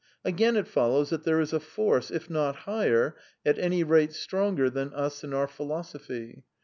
Again it follows that there is a force, if not higher, at any rate stronger, than us and our philosophy.